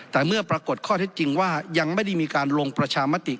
แต่เมื่อปรากฏข้อเท็จจริงว่ายังไม่ได้มีการลงประชามติ